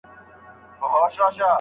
دا اپلېکېشن اوس ډېر خلک کاروي.